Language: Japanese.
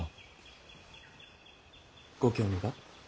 ご興味が？